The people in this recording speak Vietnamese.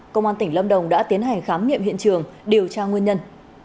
công an tỉnh lâm đồng đã tiến hành khám nghiệm hiện trường điều tra nguyên nhân